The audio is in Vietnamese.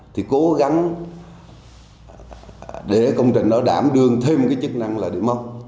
thì cố gắng để công trình nó đảm đương thêm cái chức năng là điểm mốc